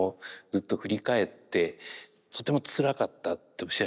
ずっと振り返ってとてもつらかったっておっしゃいましたよね。